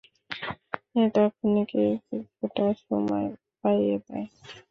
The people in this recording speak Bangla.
এটা খুনিকে কিছুটা সময় পাইয়ে দেয়।